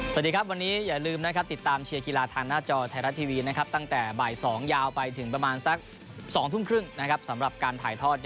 สวัสดีครับวันนี้อย่าลืมนะครับติดตามเชียร์กีฬาทางหน้าจอไทยรัฐทีวีนะครับตั้งแต่บ่าย๒ยาวไปถึงประมาณสัก๒ทุ่มครึ่งนะครับสำหรับการถ่ายทอด